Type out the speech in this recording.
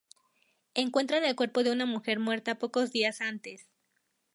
Encuentran el cuerpo de una mujer muerta pocos días antes.